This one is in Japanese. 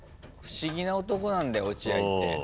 不思議な男なんだよ落合って。